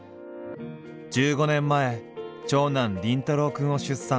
１５年前長男凛太郎くんを出産。